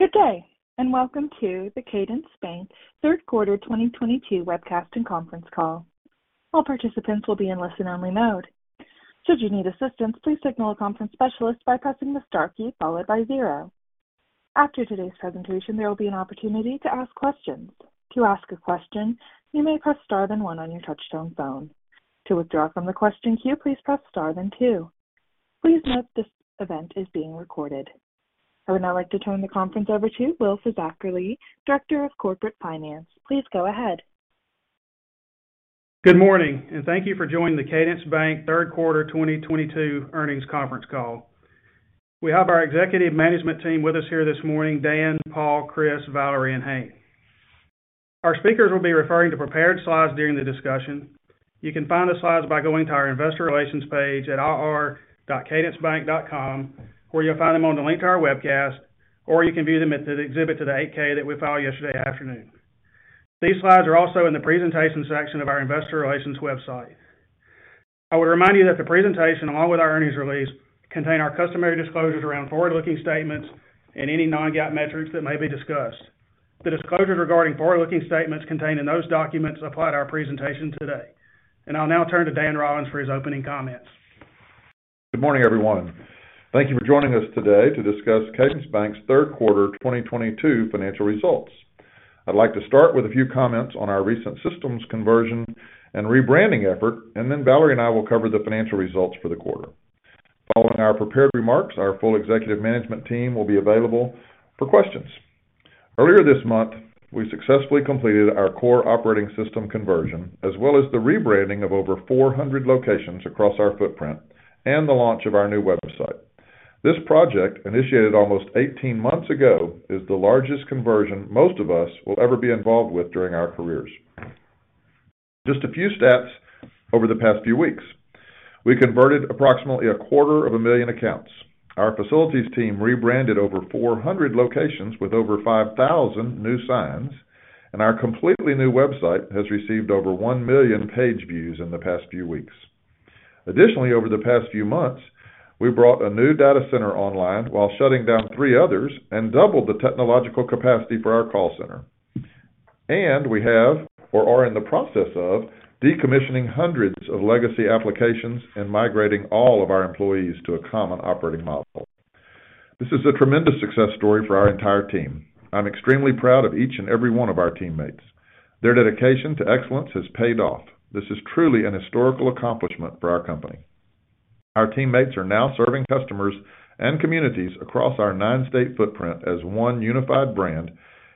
Good day, and welcome to the Cadence Bank third quarter 2022 webcast and conference call. All participants will be in listen-only mode. Should you need assistance, please signal a conference specialist by pressing the Star key followed by zero. After today's presentation, there will be an opportunity to ask questions. To ask a question, you may press Star then one on your touchtone phone. To withdraw from the question queue, please press star then two. Please note this event is being recorded. I would now like to turn the conference over to Will Fisackerly, Director of Corporate Finance. Please go ahead. Good morning, and thank you for joining the Cadence Bank third quarter 2022 earnings conference call. We have our executive management team with us here this morning, Dan, Paul, Chris, Valerie, and Hank. Our speakers will be referring to prepared slides during the discussion. You can find the slides by going to our investor relations page at ir.cadencebank.com, where you'll find them on the link to our webcast, or you can view them at the exhibit to the 8-K that we filed yesterday afternoon. These slides are also in the presentation section of our investor relations website. I would remind you that the presentation, along with our earnings release, contain our customary disclosures around forward-looking statements and any non-GAAP metrics that may be discussed. The disclosures regarding forward-looking statements contained in those documents apply to our presentation today. I'll now turn to Dan Rollins for his opening comments. Good morning, everyone. Thank you for joining us today to discuss Cadence Bank's third quarter 2022 financial results. I'd like to start with a few comments on our recent systems conversion and rebranding effort, and then Valerie and I will cover the financial results for the quarter. Following our prepared remarks, our full executive management team will be available for questions. Earlier this month, we successfully completed our core operating system conversion, as well as the rebranding of over 400 locations across our footprint and the launch of our new website. This project, initiated almost 18 months ago, is the largest conversion most of us will ever be involved with during our careers. Just a few stats over the past few weeks. We converted approximately a quarter of a million accounts. Our facilities team rebranded over 400 locations with over 5,000 new signs, and our completely new website has received over 1 million page views in the past few weeks. Additionally, over the past few months, we brought a new data center online while shutting down three others and doubled the technological capacity for our call center. We have or are in the process of decommissioning hundreds of legacy applications and migrating all of our employees to a common operating model. This is a tremendous success story for our entire team. I'm extremely proud of each and every one of our teammates. Their dedication to excellence has paid off. This is truly an historical accomplishment for our company. Our teammates are now serving customers and communities across our nine-state footprint as one unified brand,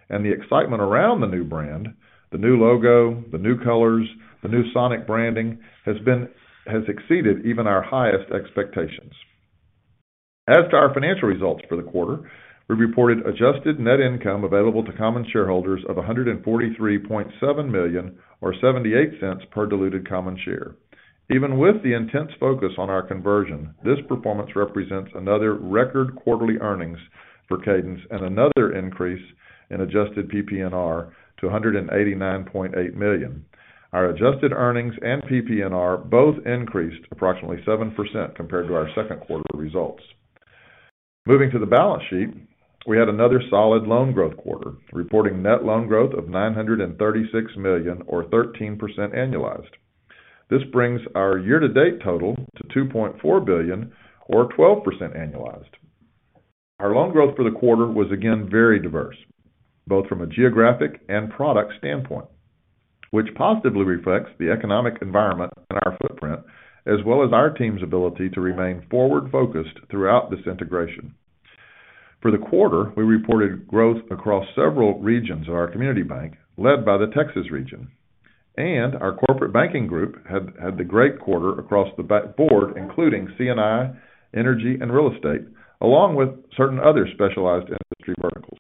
and the excitement around the new brand, the new logo, the new colors, the new Sonic branding has exceeded even our highest expectations. As to our financial results for the quarter, we reported adjusted net income available to common shareholders of $143.7 million or $0.78 per diluted common share. Even with the intense focus on our conversion, this performance represents another record quarterly earnings for Cadence and another increase in adjusted PPNR to $189.8 million. Our adjusted earnings and PPNR both increased approximately 7% compared to our second quarter results. Moving to the balance sheet, we had another solid loan growth quarter, reporting net loan growth of $936 million or 13% annualized. This brings our year-to-date total to $2.4 billion or 12% annualized. Our loan growth for the quarter was again very diverse, both from a geographic and product standpoint, which positively reflects the economic environment in our footprint, as well as our team's ability to remain forward-focused throughout this integration. For the quarter, we reported growth across several regions of our community bank led by the Texas region, and our corporate banking group had the great quarter across the board, including C&I, energy and real estate, along with certain other specialized industry verticals.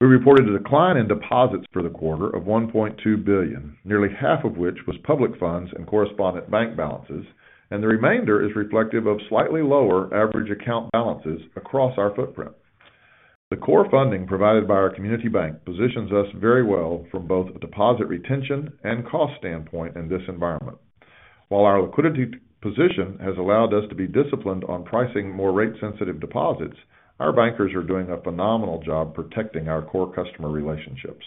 We reported a decline in deposits for the quarter of $1.2 billion, nearly half of which was public funds and correspondent bank balances, and the remainder is reflective of slightly lower average account balances across our footprint. The core funding provided by our community bank positions us very well from both a deposit retention and cost standpoint in this environment. While our liquidity position has allowed us to be disciplined on pricing more rate-sensitive deposits, our bankers are doing a phenomenal job protecting our core customer relationships.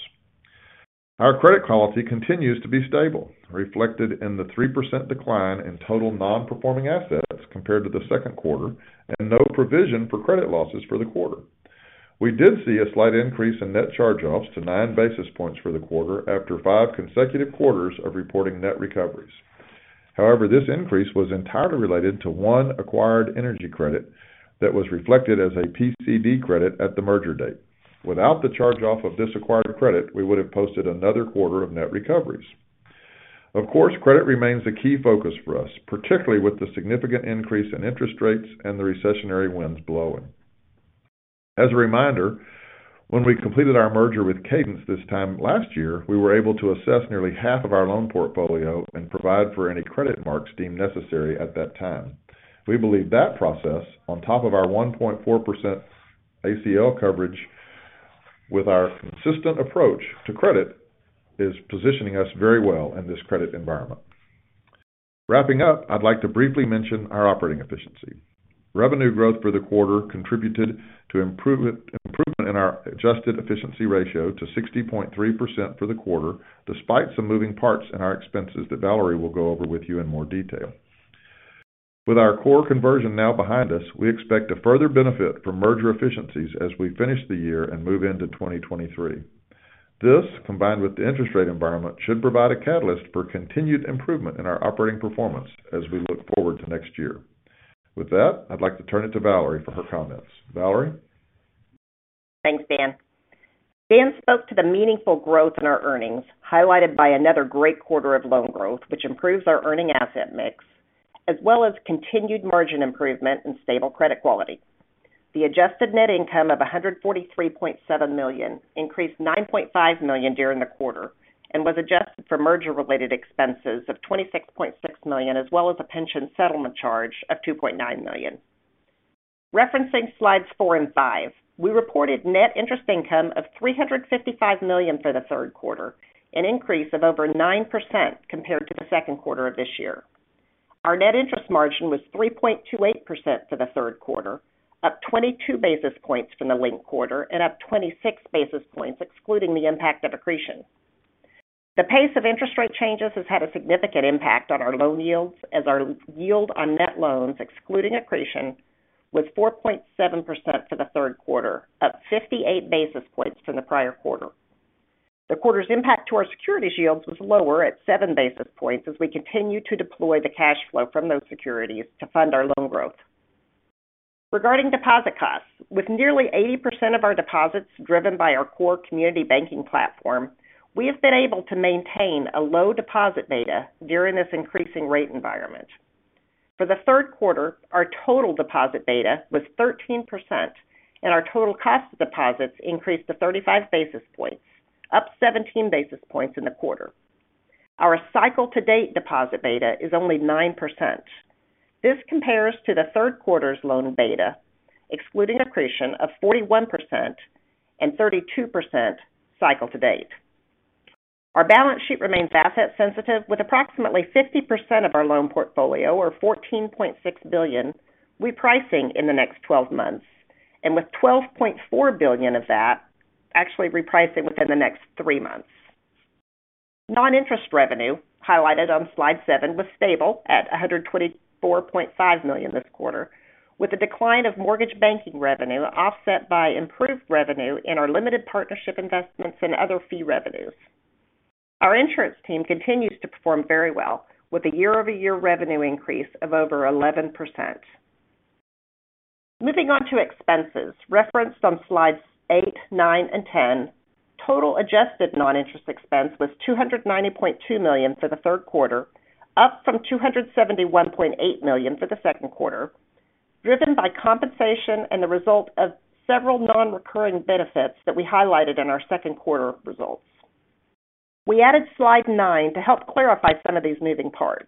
Our credit quality continues to be stable, reflected in the 3% decline in total non-performing assets compared to the second quarter and no provision for credit losses for the quarter. We did see a slight increase in net charge-offs to nine basis points for the quarter after five consecutive quarters of reporting net recoveries. However, this increase was entirely related to one acquired energy credit that was reflected as a PCD credit at the merger date. Without the charge-off of this acquired credit, we would have posted another quarter of net recoveries. Of course, credit remains a key focus for us, particularly with the significant increase in interest rates and the recessionary winds blowing. As a reminder, when we completed our merger with Cadence this time last year, we were able to assess nearly half of our loan portfolio and provide for any credit mark deemed necessary at that time. We believe that process, on top of our 1.4% ACL coverage with our consistent approach to credit, is positioning us very well in this credit environment. Wrapping up, I'd like to briefly mention our operating efficiency. Revenue growth for the quarter contributed to improvement in our adjusted efficiency ratio to 60.3% for the quarter, despite some moving parts in our expenses that Valerie will go over with you in more detail. With our core conversion now behind us, we expect to further benefit from merger efficiencies as we finish the year and move into 2023. This, combined with the interest rate environment, should provide a catalyst for continued improvement in our operating performance as we look forward to next year. With that, I'd like to turn it to Valerie for her comments. Valerie? Thanks, Dan. Dan spoke to the meaningful growth in our earnings, highlighted by another great quarter of loan growth, which improves our earning asset mix, as well as continued margin improvement and stable credit quality. The adjusted net income of $143.7 million increased $9.5 million during the quarter and was adjusted for merger related expenses of $26.6 million, as well as a pension settlement charge of $2.9 million. Referencing Slides four and five, we reported net interest income of $355 million for the third quarter, an increase of over 9% compared to the second quarter of this year. Our net interest margin was 3.28% for the third quarter, up 22 basis points from the linked quarter and up 26 basis points excluding the impact of accretion. The pace of interest rate changes has had a significant impact on our loan yields as our yield on net loans excluding accretion was 4.7% for the third quarter, up 58 basis points from the prior quarter. The quarter's impact to our securities yields was lower at 7 basis points as we continue to deploy the cash flow from those securities to fund our loan growth. Regarding deposit costs, with nearly 80% of our deposits driven by our core community banking platform, we have been able to maintain a low deposit beta during this increasing rate environment. For the third quarter, our total deposit beta was 13% and our total cost of deposits increased to 35 basis points, up 17 basis points in the quarter. Our cycle to date deposit beta is only 9%. This compares to the third quarter's loan beta excluding accretion of 41% and 32% cycle to date. Our balance sheet remains asset sensitive with approximately 50% of our loan portfolio or $14.6 billion repricing in the next 12 months, and with $12.4 billion of that actually repricing within the next three months. Non-interest revenue highlighted on Slide seven was stable at $124.5 million this quarter, with a decline of mortgage banking revenue offset by improved revenue in our limited partnership investments and other fee revenues. Our insurance team continues to perform very well with a year-over-year revenue increase of over 11%. Moving on to expenses referenced on Slides eight, nine, and 10. Total adjusted non-interest expense was $290.2 million for the third quarter, up from $271.8 million for the second quarter, driven by compensation and the result of several non-recurring benefits that we highlighted in our second quarter results. We added Slide nine to help clarify some of these moving parts.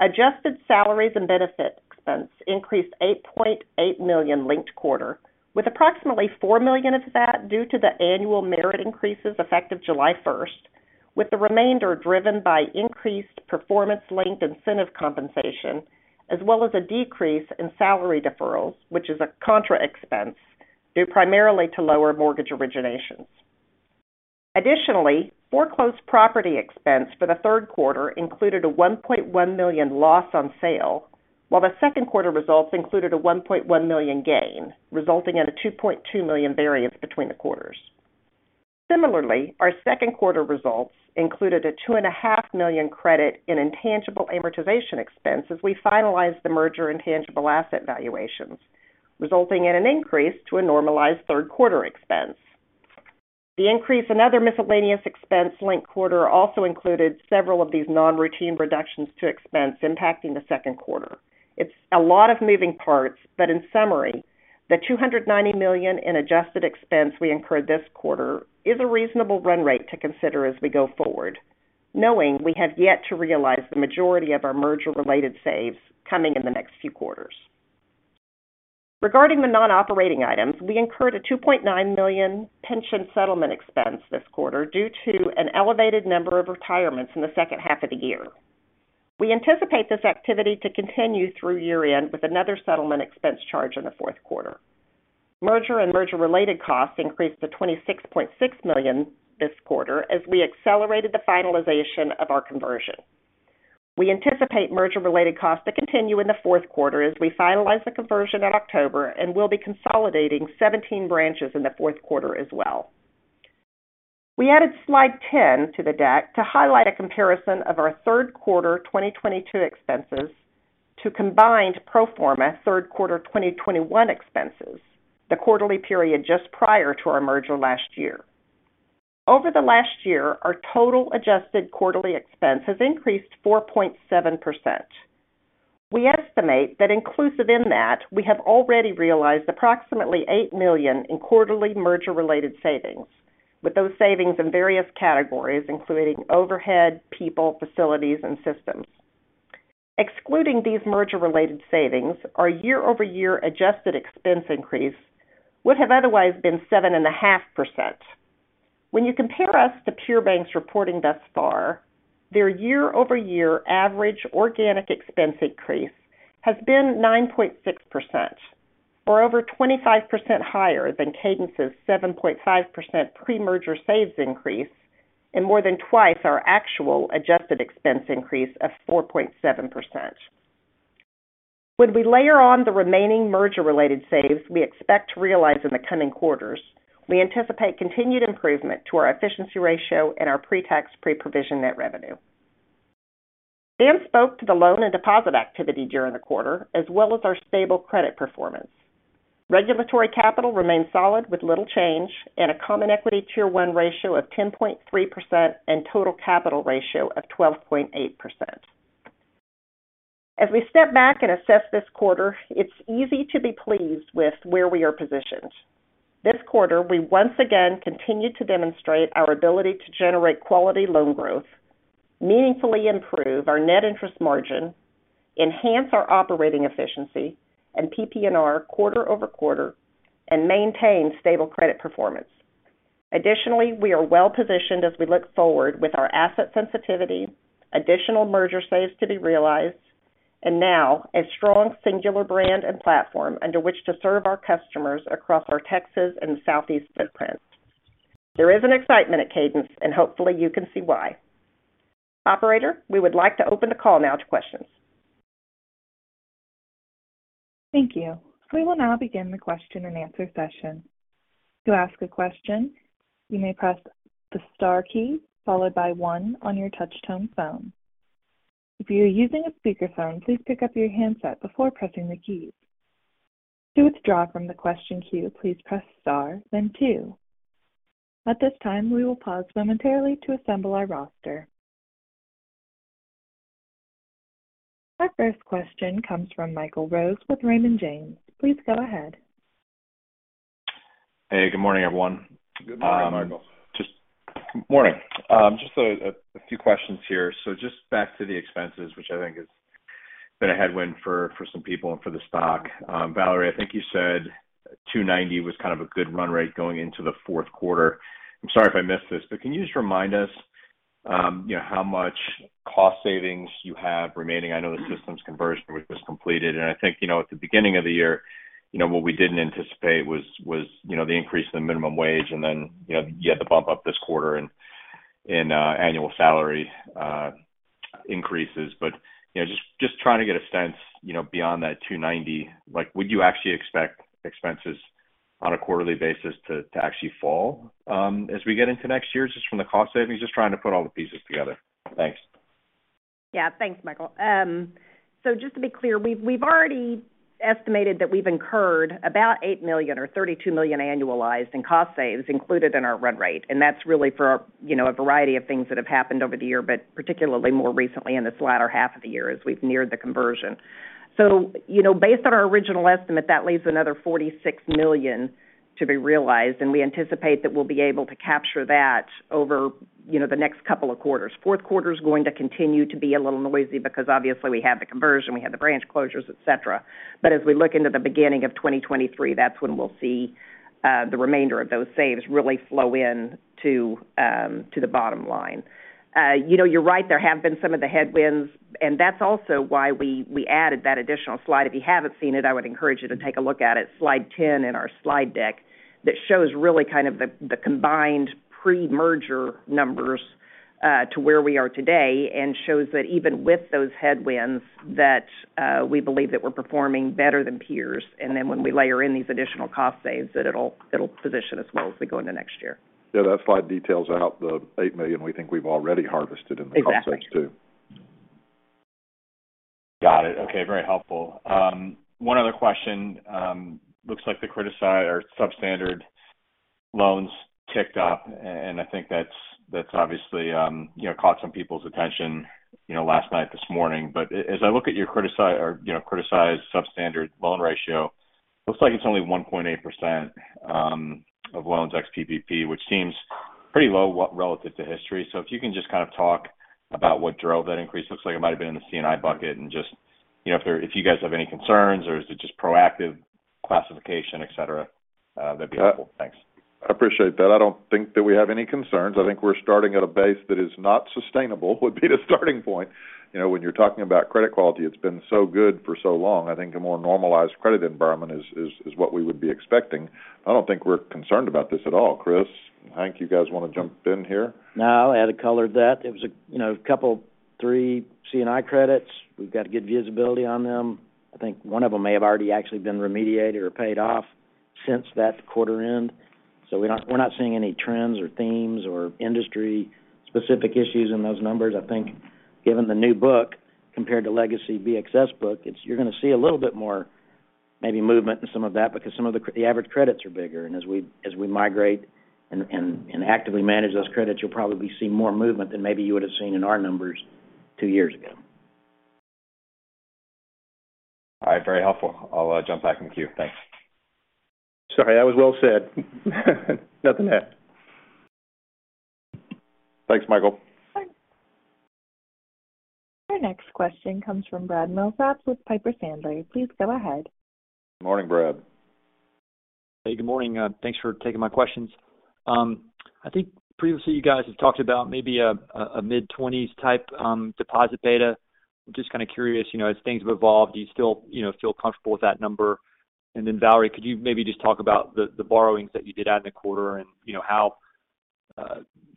Adjusted salaries and benefits expense increased $8.8 million linked quarter, with approximately $4 million of that due to the annual merit increases effective July 1st, with the remainder driven by increased performance-linked incentive compensation, as well as a decrease in salary deferrals, which is a contra expense due primarily to lower mortgage originations. Additionally, foreclosed property expense for the third quarter included a $1.1 million loss on sale, while the second quarter results included a $1.1 million gain, resulting in a $2.2 million variance between the quarters. Similarly, our second quarter results included a $2.5 million credit in intangible amortization expense as we finalized the merger intangible asset valuations, resulting in an increase to a normalized third quarter expense. The increase in other miscellaneous expense linked quarter also included several of these non-routine reductions to expense impacting the second quarter. It's a lot of moving parts, but in summary, the $290 million in adjusted expense we incurred this quarter is a reasonable run rate to consider as we go forward, knowing we have yet to realize the majority of our merger-related saves coming in the next few quarters. Regarding the non-operating items, we incurred a $2.9 million pension settlement expense this quarter due to an elevated number of retirements in the second half of the year. We anticipate this activity to continue through year-end with another settlement expense charge in the fourth quarter. Merger and merger-related costs increased to $26.6 million this quarter as we accelerated the finalization of our conversion. We anticipate merger-related costs to continue in the fourth quarter as we finalize the conversion in October and we'll be consolidating 17 branches in the fourth quarter as well. We added Slide 10 to the deck to highlight a comparison of our third quarter 2022 expenses to combined pro forma third quarter 2021 expenses, the quarterly period just prior to our merger last year. Over the last year, our total adjusted quarterly expense has increased 4.7%. We estimate that inclusive in that, we have already realized approximately $8 million in quarterly merger-related savings, with those savings in various categories including overhead, people, facilities, and systems. Excluding these merger-related savings, our year-over-year adjusted expense increase would have otherwise been 7.5%. When you compare us to pure banks reporting thus far, their year-over-year average organic expense increase has been 9.6%, or over 25% higher than Cadence's 7.5% pre-merger saves increase and more than twice our actual adjusted expense increase of 4.7%. When we layer on the remaining merger-related saves we expect to realize in the coming quarters, we anticipate continued improvement to our efficiency ratio and our pretax pre-provision net revenue. Dan spoke to the loan and deposit activity during the quarter, as well as our stable credit performance. Regulatory capital remains solid with little change and a Common Equity Tier 1 ratio of 10.3% and total capital ratio of 12.8%. As we step back and assess this quarter, it's easy to be pleased with where we are positioned. This quarter, we once again continued to demonstrate our ability to generate quality loan growth, meaningfully improve our net interest margin, enhance our operating efficiency and PPNR quarter-over-quarter, and maintain stable credit performance. Additionally, we are well-positioned as we look forward with our asset sensitivity, additional merger saves to be realized, and now a strong singular brand and platform under which to serve our customers across our Texas and southeast footprint. There is an excitement at Cadence, and hopefully you can see why. Operator, we would like to open the call now to questions. Thank you. We will now begin the question-and-answer session. To ask a question, you may press the star key followed by one on your touchtone phone. If you are using a speakerphone, please pick up your handset before pressing the keys. To withdraw from the question queue, please press star then two. At this time, we will pause momentarily to assemble our roster. Our first question comes from Michael Rose with Raymond James. Please go ahead. Hey, good morning, everyone. Good morning, Michael. Good morning. Just a few questions here. Just back to the expenses, which I think has been a headwind for some people and for the stock. Valerie, I think you said $290 was kind of a good run rate going into the fourth quarter. I'm sorry if I missed this, but can you just remind us, you know, how much cost savings you have remaining? I know the systems conversion was just completed. I think, you know, at the beginning of the year, you know, what we didn't anticipate was, you know, the increase in minimum wage and then, you know, you had the bump up this quarter in annual salary increases. You know, just trying to get a sense, you know, beyond that 290, like would you actually expect expenses on a quarterly basis to actually fall, as we get into next year just from the cost savings? Just trying to put all the pieces together. Thanks. Yeah. Thanks, Michael. So just to be clear, we've already estimated that we've incurred about $8 million or $32 million annualized in cost savings included in our run rate. That's really for, you know, a variety of things that have happened over the year, but particularly more recently in this latter half of the year as we've neared the conversion. You know, based on our original estimate, that leaves another $46 million to be realized, and we anticipate that we'll be able to capture that over, you know, the next couple of quarters. Fourth quarter is going to continue to be a little noisy because obviously we have the conversion, we have the branch closures, et cetera. As we look into the beginning of 2023, that's when we'll see the remainder of those savings really flow in to the bottom line. You know, you're right, there have been some of the headwinds, and that's also why we added that additional slide. If you haven't seen it, I would encourage you to take a look at it, slide 10 in our slide deck, that shows really kind of the combined pre-merger numbers to where we are today and shows that even with those headwinds that we believe that we're performing better than peers. When we layer in these additional cost savings, that it'll position us well as we go into next year. Yeah, that slide details out the $8 million we think we've already harvested in the process too. Exactly. Got it. Okay. Very helpful. One other question. Looks like the criticized or substandard loans ticked up. And I think that's obviously, you know, caught some people's attention, you know, last night, this morning. As I look at your criticized or, you know, criticized substandard loan ratio, looks like it's only 1.8% of loans ex PPP, which seems pretty low relative to history. If you can just kind of talk about what drove that increase. Looks like it might have been in the C&I bucket. And just, you know, if you guys have any concerns or is it just proactive classification, et cetera? That'd be helpful. Thanks. I appreciate that. I don't think that we have any concerns. I think we're starting at a base that is not sustainable would be the starting point. You know, when you're talking about credit quality, it's been so good for so long. I think a more normalized credit environment is what we would be expecting. I don't think we're concerned about this at all. Chris, Hank, you guys wanna jump in here? No, I had to color that. It was, you know, a couple, three C&I credits. We've got good visibility on them. I think one of them may have already actually been remediated or paid off since that quarter end. We're not seeing any trends or themes or industry-specific issues in those numbers. I think given the new book compared to legacy BXS book, it's you're gonna see a little bit more maybe movement in some of that because some of the average credits are bigger. As we migrate and actively manage those credits, you'll probably see more movement than maybe you would've seen in our numbers two years ago. All right. Very helpful. I'll jump back in the queue. Thanks. Sorry. That was well said. Nothing to add. Thanks, Michael. Our next question comes from Brad Milsaps with Piper Sandler. Please go ahead. Good morning, Brad. Hey, good morning. Thanks for taking my questions. I think previously you guys have talked about maybe a mid-20s type deposit beta. Just kind of curious, you know, as things have evolved, do you still, you know, feel comfortable with that number? Valerie, could you maybe just talk about the borrowings that you did out in the quarter and, you know, how,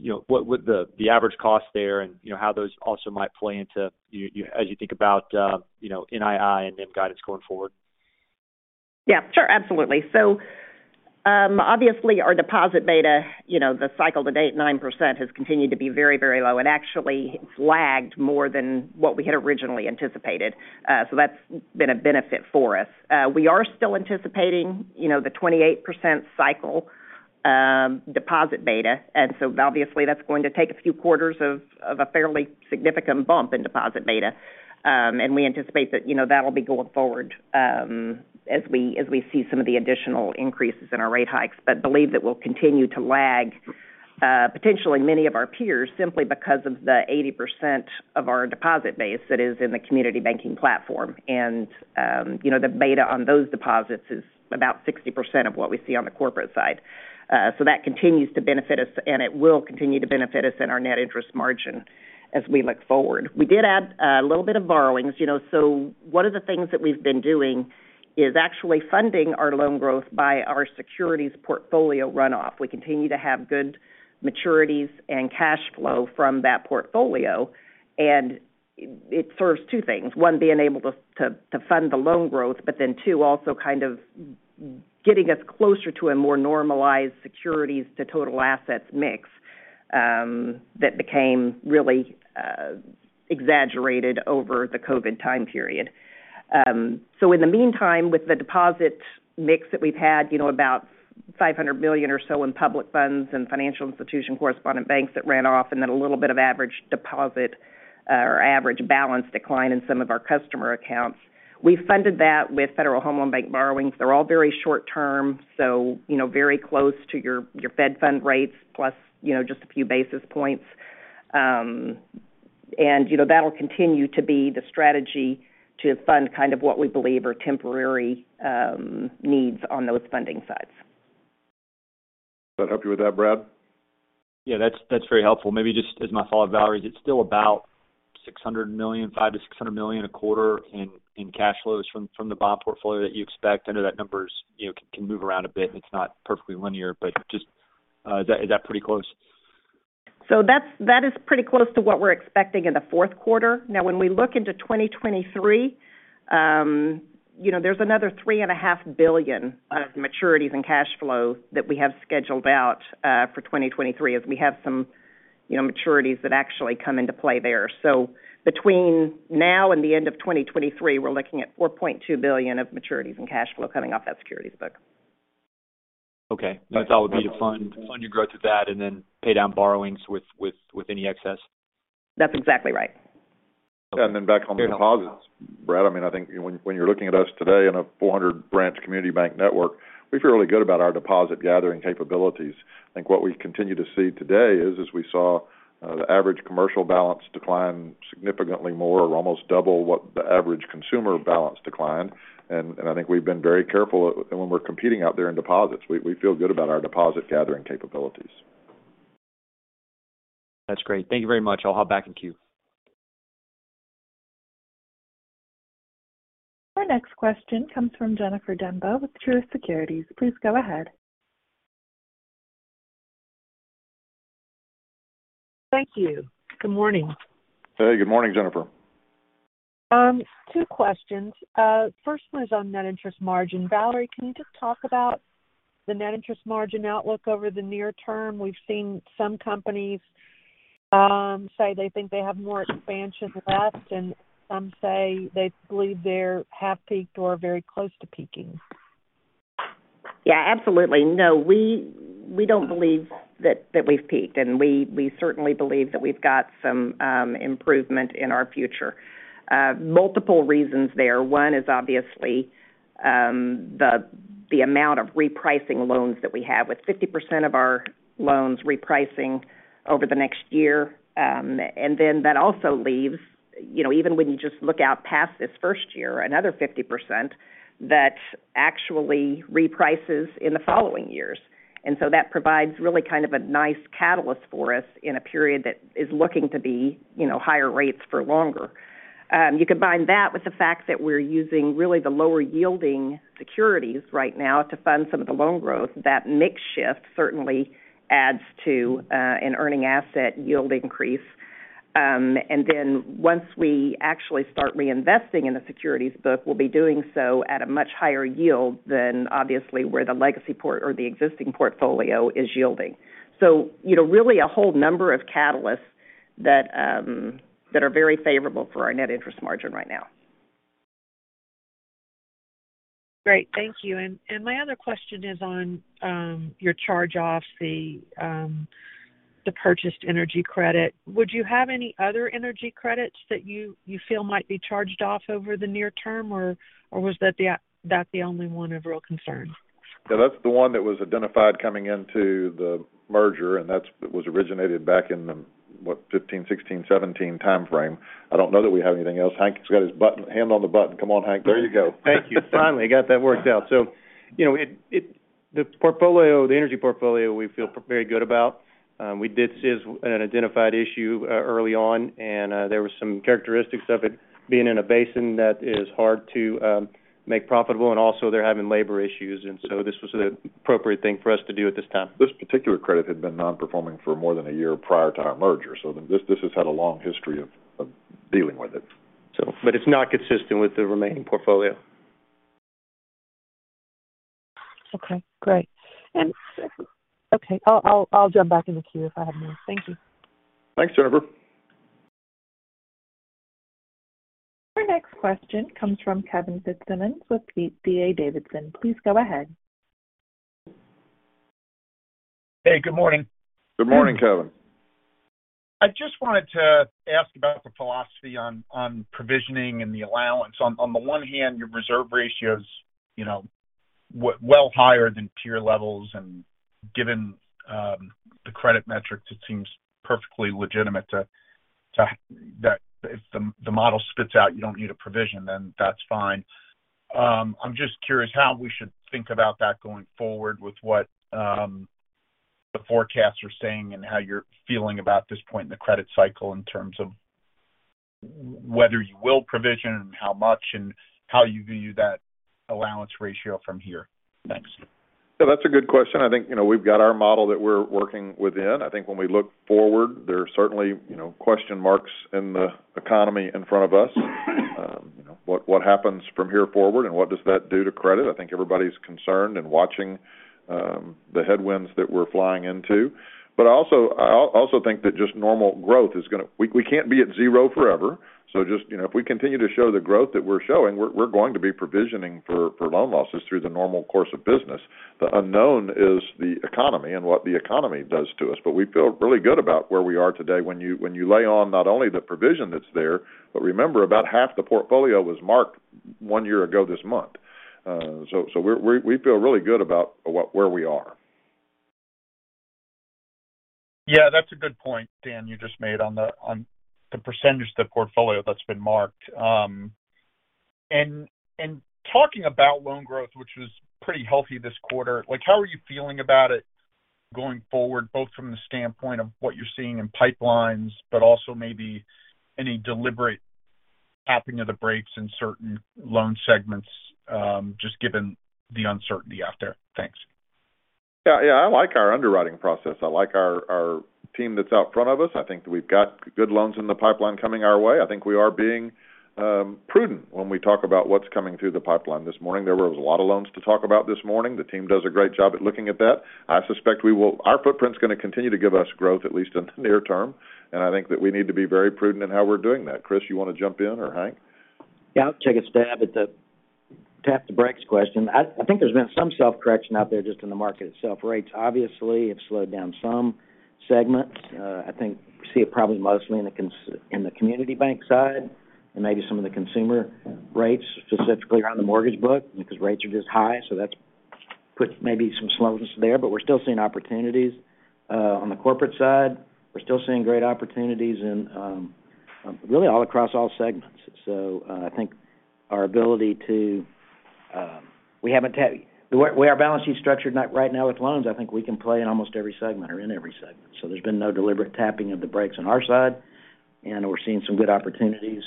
you know, what would the average cost there and, you know, how those also might play into as you think about, you know, NII and NIM guidance going forward? Yeah, sure. Absolutely. Obviously our deposit beta, you know, the cycle-to-date 9% has continued to be very, very low and actually it's lagged more than what we had originally anticipated. That's been a benefit for us. We are still anticipating, you know, the 28% cycle deposit beta. Obviously that's going to take a few quarters of a fairly significant bump in deposit beta. We anticipate that, you know, that'll be going forward as we see some of the additional increases in our rate hikes, but believe that we'll continue to lag potentially many of our peers simply because of the 80% of our deposit base that is in the community banking platform. You know, the beta on those deposits is about 60% of what we see on the corporate side. That continues to benefit us, and it will continue to benefit us in our net interest margin as we look forward. We did add a little bit of borrowings, you know. One of the things that we've been doing is actually funding our loan growth by our securities portfolio runoff. We continue to have good maturities and cash flow from that portfolio. It serves two things. One, being able to fund the loan growth, but then two, also kind of getting us closer to a more normalized securities to total assets mix that became really exaggerated over the COVID time period. In the meantime, with the deposit mix that we've had, you know, about $500 million or so in public funds and financial institution correspondent banks that ran off and then a little bit of average deposit, or average balance decline in some of our customer accounts. We funded that with Federal Home Loan Bank borrowings. They're all very short-term, you know, very close to your Fed Funds rates plus, you know, just a few basis points. That'll continue to be the strategy to fund kind of what we believe are temporary needs on those funding sides. That help you with that, Brad? Yeah. That's very helpful. Maybe just as my follow-up, Valerie, it's still about $600 million, $500 million-$600 million a quarter in cash flows from the bond portfolio that you expect. I know that number's, you know, can move around a bit and it's not perfectly linear, but just, is that pretty close? That is pretty close to what we're expecting in the fourth quarter. Now when we look into 2023, there's another $3.5 billion of maturities and cash flow that we have scheduled out, for 2023 as we have some maturities that actually come into play there. Between now and the end of 2023, we're looking at $4.2 billion of maturities and cash flow coming off that securities book. Okay. My thought would be to fund your growth with that and then pay down borrowings with any excess. That's exactly right. Yeah. Then back on the deposits, Brad, I mean, I think when you're looking at us today in a 400 branch community bank network, we feel really good about our deposit gathering capabilities. I think what we continue to see today is, as we saw, the average commercial balance decline significantly more or almost double what the average consumer balance declined. I think we've been very careful when we're competing out there in deposits. We feel good about our deposit gathering capabilities. That's great. Thank you very much. I'll hop back in queue. Our next question comes from Jennifer Demba with Truist Securities. Please go ahead. Thank you. Good morning. Hey, good morning, Jennifer. Two questions. First one is on net interest margin. Valerie, can you just talk about the net interest margin outlook over the near term? We've seen some companies say they think they have more expansion left, and some say they believe they're half peaked or very close to peaking. Yeah, absolutely. No, we don't believe that we've peaked, and we certainly believe that we've got some improvement in our future. Multiple reasons there. One is obviously the amount of repricing loans that we have with 50% of our loans repricing over the next year. And then that also leaves, you know, even when you just look out past this first year, another 50% that actually reprices in the following years. That provides really kind of a nice catalyst for us in a period that is looking to be, you know, higher rates for longer. You combine that with the fact that we're using really the lower yielding securities right now to fund some of the loan growth. That mix shift certainly adds to an earning asset yield increase. Once we actually start reinvesting in the securities book, we'll be doing so at a much higher yield than obviously where the legacy portfolio is yielding. You know, really a whole number of catalysts that are very favorable for our net interest margin right now. Great. Thank you. My other question is on your charge-offs, the purchased energy credit. Would you have any other energy credits that you feel might be charged off over the near term, or was that the only one of real concern? Yeah, that's the one that was identified coming into the merger, and that was originated back in the, what, 2015, 2016, 2017 timeframe. I don't know that we have anything else. Hank has got his hand on the button. Come on, Hank. There you go. Thank you. Finally got that worked out. You know, it the portfolio, the energy portfolio we feel very good about. We did see this as an identified issue early on, and there were some characteristics of it being in a basin that is hard to make profitable, and also they're having labor issues. This was an appropriate thing for us to do at this time. This particular credit had been non-performing for more than a year prior to our merger, so this has had a long history of dealing with it. it's not consistent with the remaining portfolio. Okay, great. Okay, I'll jump back in the queue if I have more. Thank you. Thanks, Jennifer. Our next question comes from Kevin Fitzsimmons with D.A. Davidson. Please go ahead. Hey, good morning. Good morning, Kevin. I just wanted to ask about the philosophy on provisioning and the allowance. On the one hand, your reserve ratio's, you know, well higher than peer levels. Given the credit metrics, it seems perfectly legitimate that if the model spits out you don't need a provision, then that's fine. I'm just curious how we should think about that going forward with what the forecasts are saying and how you're feeling about this point in the credit cycle in terms of whether you will provision and how much and how you view that allowance ratio from here. Thanks. Yeah, that's a good question. I think, you know, we've got our model that we're working within. I think when we look forward, there are certainly, you know, question marks in the economy in front of us. What happens from here forward and what does that do to credit? I think everybody's concerned and watching the headwinds that we're flying into. Also, I also think that we can't be at zero forever. Just, you know, if we continue to show the growth that we're showing, we're going to be provisioning for loan losses through the normal course of business. The unknown is the economy and what the economy does to us. We feel really good about where we are today. When you layer on not only the provision that's there, but remember about half the portfolio was marked one year ago this month. So we feel really good about where we are. Yeah, that's a good point, Dan, you just made on the percentage of the portfolio that's been marked. Talking about loan growth, which is pretty healthy this quarter, like, how are you feeling about it going forward, both from the standpoint of what you're seeing in pipelines, but also maybe any deliberate tapping of the brakes in certain loan segments, just given the uncertainty out there? Thanks. Yeah. Yeah, I like our underwriting process. I like our team that's out front of us. I think we've got good loans in the pipeline coming our way. I think we are being prudent when we talk about what's coming through the pipeline this morning. There was a lot of loans to talk about this morning. The team does a great job at looking at that. I suspect our footprint's going to continue to give us growth, at least in the near term. I think that we need to be very prudent in how we're doing that. Chris, you want to jump in or Hank? Yeah, I'll take a stab at the tap the brakes question. I think there's been some self-correction out there just in the market itself. Rates obviously have slowed down some segments. I think we see it probably mostly in the community bank side and maybe some of the consumer rates specifically around the mortgage book because rates are just high. That's put maybe some slowness there. We're still seeing opportunities on the corporate side. We're still seeing great opportunities in really all across all segments. I think the way our balance sheet's structured right now with loans, I think we can play in almost every segment or in every segment. There's been no deliberate tapping of the brakes on our side, and we're seeing some good opportunities.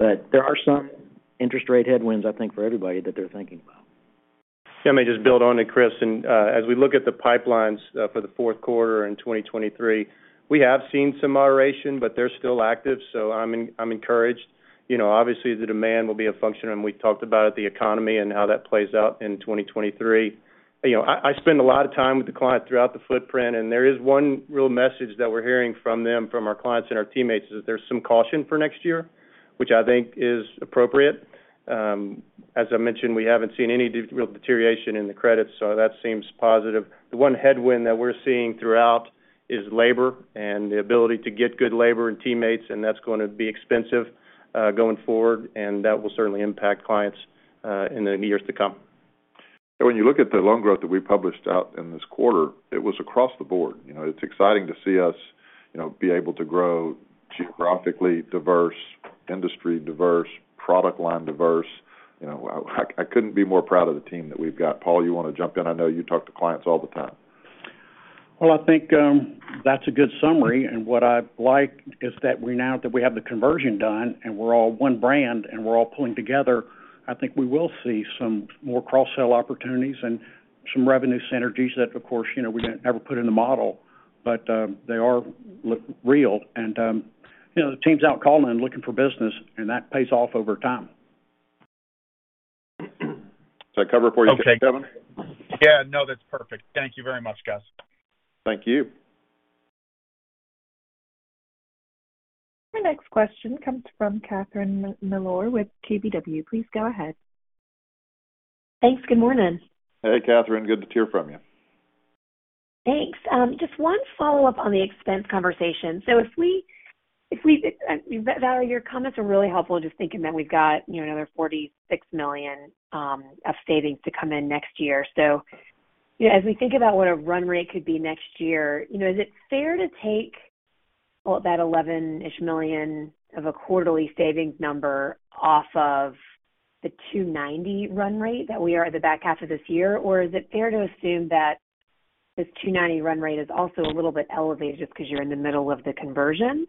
There are some interest rate headwinds, I think, for everybody that they're thinking about. Let me just build on to Chris. As we look at the pipelines for the fourth quarter in 2023, we have seen some moderation, but they're still active. I'm encouraged. You know, obviously the demand will be a function, and we talked about the economy and how that plays out in 2023. You know, I spend a lot of time with the client throughout the footprint, and there is one real message that we're hearing from them, from our clients and our teammates, is that there's some caution for next year, which I think is appropriate. As I mentioned, we haven't seen any real deterioration in the credit, so that seems positive. The one headwind that we're seeing throughout is labor and the ability to get good labor and teammates, and that's going to be expensive, going forward, and that will certainly impact clients, in the years to come. When you look at the loan growth that we published out in this quarter, it was across the board. You know, it's exciting to see us, you know, be able to grow geographically diverse, industry diverse, product line diverse. You know, I couldn't be more proud of the team that we've got. Paul, you want to jump in? I know you talk to clients all the time. Well, I think that's a good summary. What I like is that now that we have the conversion done and we're all one brand and we're all pulling together, I think we will see some more cross-sell opportunities and some revenue synergies that of course, you know, we didn't ever put in the model, but they are real. You know, the team's out calling and looking for business, and that pays off over time. Does that cover it for you, Kevin? Yeah, no, that's perfect. Thank you very much, guys. Thank you. Our next question comes from Catherine Mealor with KBW. Please go ahead. Thanks. Good morning. Hey, Catherine, good to hear from you. Thanks. Just one follow-up on the expense conversation. Valerie, your comments are really helpful just thinking that we've got, you know, another $46 million of savings to come in next year. As we think about what a run rate could be next year, you know, is it fair to take all that $11-ish million of a quarterly savings number off of the $290 run rate that we are at the back half of this year? Or is it fair to assume that this $290 run rate is also a little bit elevated just 'cause you're in the middle of the conversion,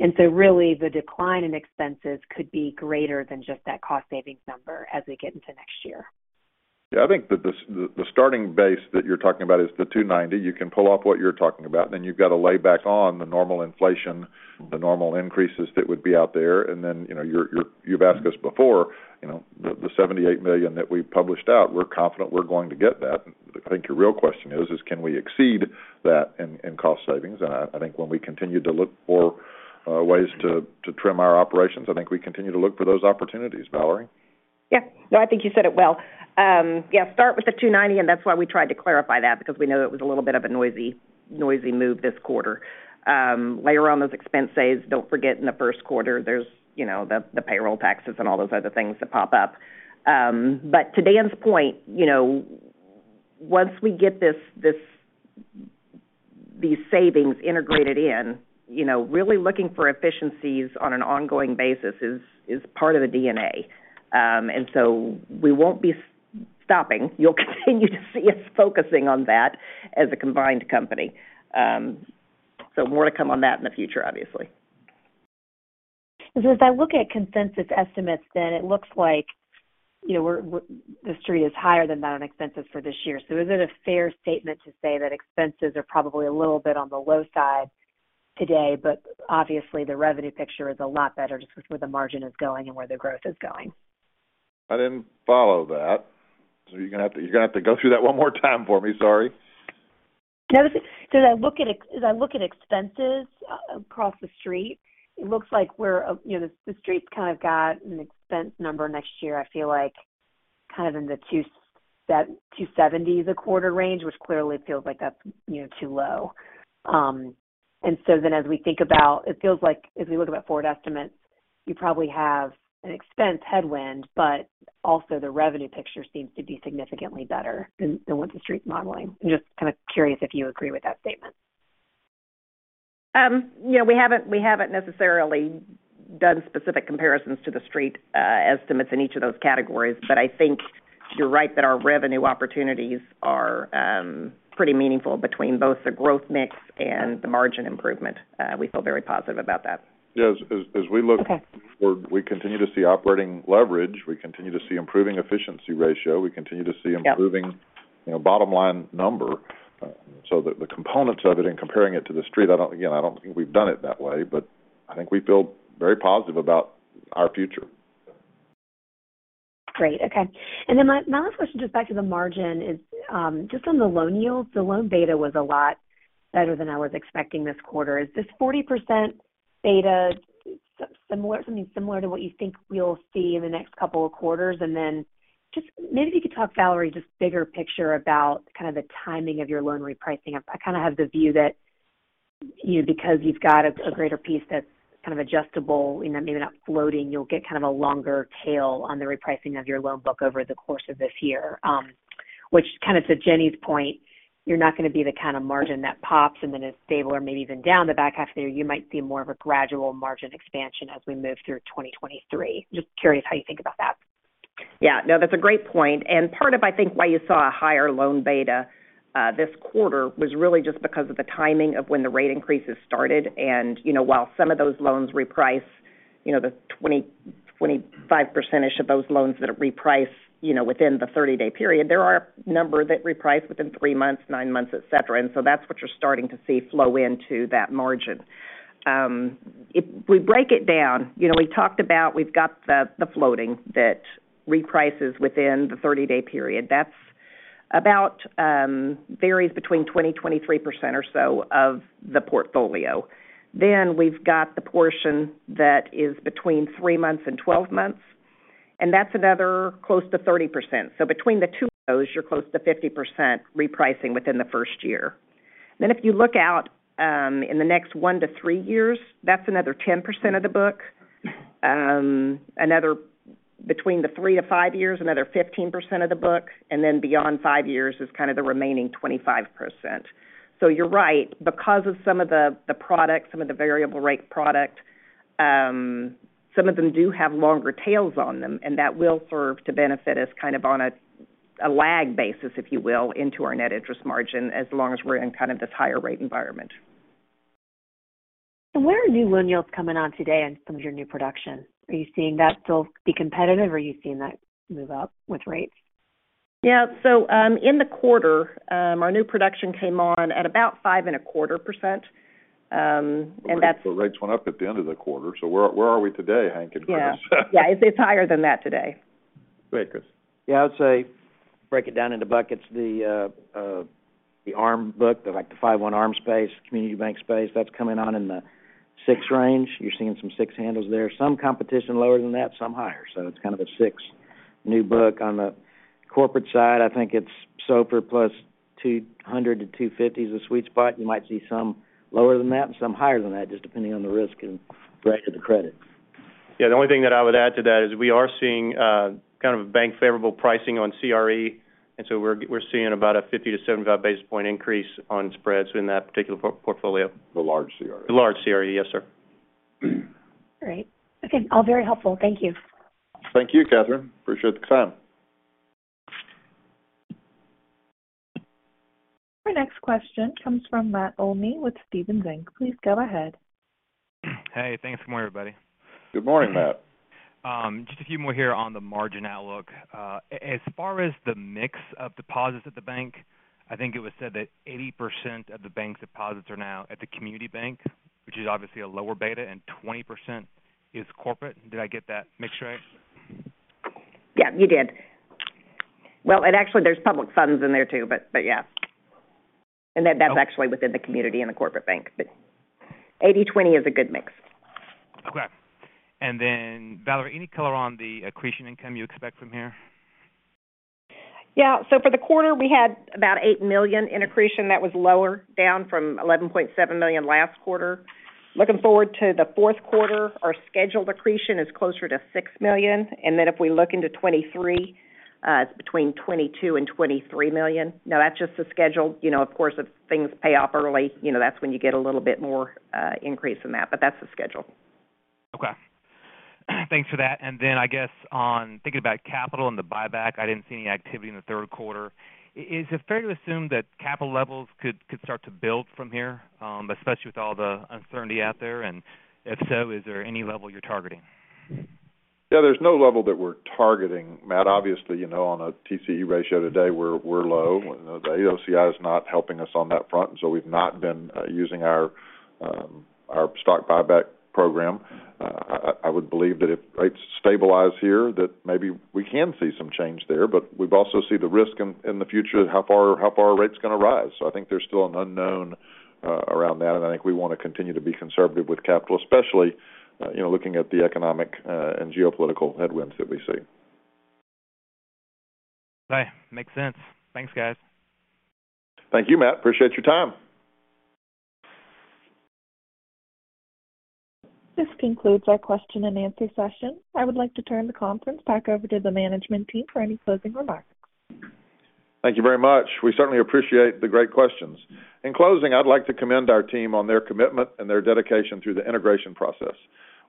and so really the decline in expenses could be greater than just that cost savings number as we get into next year? Yeah. I think that the starting base that you're talking about is the $290. You can pull off what you're talking about, then you've got to lay back on the normal inflation, the normal increases that would be out there. Then, you know, you've asked us before, you know, the $78 million that we published out, we're confident we're going to get that. I think your real question is can we exceed that in cost savings? I think when we continue to look for ways to trim our operations, I think we continue to look for those opportunities. Valerie? Yeah. No, I think you said it well. Yeah, start with the 290, and that's why we tried to clarify that because we know it was a little bit of a noisy move this quarter. Layer on those expense saves. Don't forget in the first quarter, there's, you know, the payroll taxes and all those other things that pop up. To Dan's point, you know, once we get these savings integrated in, you know, really looking for efficiencies on an ongoing basis is part of the DNA. We won't be stopping. You'll continue to see us focusing on that as a combined company. More to come on that in the future, obviously. As I look at consensus estimates, then it looks like, you know, The Street is higher than that on expenses for this year. Is it a fair statement to say that expenses are probably a little bit on the low side today, but obviously the revenue picture is a lot better just with where the margin is going and where the growth is going? I didn't follow that. You're gonna have to go through that one more time for me. Sorry. No. As I look at expenses across the Street, it looks like, you know, the Street's kind of got an expense number next year, I feel like kind of in the $270 as a quarter range, which clearly feels like that's, you know, too low. It feels like if we look at forward estimates, you probably have an expense headwind, but also the revenue picture seems to be significantly better than what the Street's modeling. I'm just kind of curious if you agree with that statement. You know, we haven't necessarily done specific comparisons to The Street estimates in each of those categories. I think you're right that our revenue opportunities are pretty meaningful between both the growth mix and the margin improvement. We feel very positive about that. Yeah. As we look. Okay Forward, we continue to see operating leverage. We continue to see improving efficiency ratio. We continue to see. Yep... improving, you know, bottom line number. The components of it and comparing it to The Street, I don't, again, I don't think we've done it that way, but I think we feel very positive about our future. Great. Okay. My last question just back to the margin is just on the loan yields. The loan beta was a lot better than I was expecting this quarter. Is this 40% beta something similar to what you think we'll see in the next couple of quarters? Just maybe if you could talk, Valerie, just bigger picture about kind of the timing of your loan repricing. I kind of have the view that, you know, because you've got a greater piece that's kind of adjustable, you know, maybe not floating, you'll get kind of a longer tail on the repricing of your loan book over the course of this year. Which kind of to Jenny's point, you're not going to be the kind of margin that pops and then is stable or maybe even down the back half of the year. You might see more of a gradual margin expansion as we move through 2023. Just curious how you think about that. Yeah. No, that's a great point. Part of, I think, why you saw a higher loan beta this quarter was really just because of the timing of when the rate increases started. You know, while some of those loans reprice, you know, the 20%-25%-ish of those loans that reprice, you know, within the 30-day period, there are a number that reprice within three months, nine months, et cetera. That's what you're starting to see flow into that margin. If we break it down, you know, we talked about we've got the floating that reprices within the 30-day period. That's about varies between 20-23% or so of the portfolio. Then we've got the portion that is between three months and 12 months, and that's another close to 30%. Between the two of those, you're close to 50% repricing within the first year. If you look out in the next one to three years, that's another 10% of the book. Another between the three to five years, another 15% of the book, and then beyond five years is kind of the remaining 25%. You're right, because of some of the product, some of the variable rate product, some of them do have longer tails on them, and that will serve to benefit us kind of on a lag basis, if you will, into our net interest margin as long as we're in kind of this higher rate environment. Where are new loan yields coming on today in some of your new production? Are you seeing that still be competitive, or are you seeing that move up with rates? In the quarter, our new production came on at about 5.25%. That's- The rates went up at the end of the quarter. Where are we today, Hank and Chris? Yeah. Yeah. It's higher than that today. Go ahead, Chris. Yeah. I would say break it down into buckets. The ARM book, like the 5/1 ARM space, community bank space, that's coming on in the 6% range. You're seeing some 6% handles there. Some competition lower than that, some higher. It's kind of a 6% new book on the corporate side, I think it's SOFR plus 200-250 is a sweet spot. You might see some lower than that and some higher than that, just depending on the risk and breadth of the credit. Yeah. The only thing that I would add to that is we are seeing kind of bank favorable pricing on CRE, and so we're seeing about a 50-75 basis point increase on spreads in that particular portfolio. The large CRE. The large CRE. Yes, sir. Great. Okay. All very helpful. Thank you. Thank you, Catherine. Appreciate the time. Your next question comes from Matt Olney with Stephens Inc. Please go ahead. Hey, thanks. Good morning, everybody. Good morning, Matt. Just a few more here on the margin outlook. As far as the mix of deposits at the bank, I think it was said that 80% of the bank deposits are now at the community bank, which is obviously a lower beta, and 20% is corporate. Did I get that mix right? Yeah, you did. Well, and actually there's public funds in there too, but yeah. That, that's actually within the community and the corporate bank. 80-20 is a good mix. Okay. Valerie, any color on the accretion income you expect from here? Yeah. For the quarter, we had about $8 million in accretion that was lower, down from $11.7 million last quarter. Looking forward to the fourth quarter, our scheduled accretion is closer to $6 million. If we look into 2023, it's between $22 million and $23 million. Now that's just the schedule. You know, of course, if things pay off early, you know, that's when you get a little bit more increase in that. That's the schedule. Okay. Thanks for that. Then I guess on thinking about capital and the buyback, I didn't see any activity in the third quarter. Is it fair to assume that capital levels could start to build from here, especially with all the uncertainty out there? If so, is there any level you're targeting? Yeah, there's no level that we're targeting, Matt. Obviously, you know, on a TCE ratio today, we're low. The AOCI is not helping us on that front, and so we've not been using our stock buyback program. I would believe that if rates stabilize here, that maybe we can see some change there. But we've also see the risk in the future, how far rate's gonna rise. So I think there's still an unknown around that. I think we wanna continue to be conservative with capital, especially, you know, looking at the economic and geopolitical headwinds that we see. Okay. Makes sense. Thanks, guys. Thank you, Matt. Appreciate your time. This concludes our question and answer session. I would like to turn the conference back over to the management team for any closing remarks. Thank you very much. We certainly appreciate the great questions. In closing, I'd like to commend our team on their commitment and their dedication through the integration process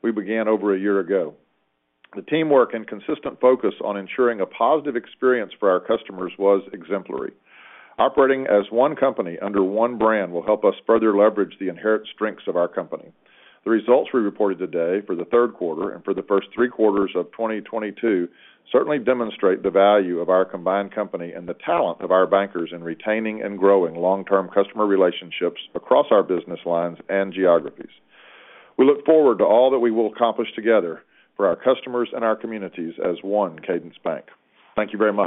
we began over a year ago. The teamwork and consistent focus on ensuring a positive experience for our customers was exemplary. Operating as one company under one brand will help us further leverage the inherent strengths of our company. The results we reported today for the third quarter and for the first three quarters of 2022 certainly demonstrate the value of our combined company and the talent of our bankers in retaining and growing long-term customer relationships across our business lines and geographies. We look forward to all that we will accomplish together for our customers and our communities as one Cadence Bank. Thank you very much.